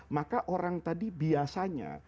maka orang tadi biasanya